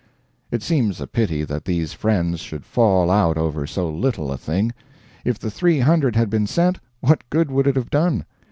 ] [It seems a pity that these friends should fall out over so little a thing. If the 300 had been sent, what good would it have done?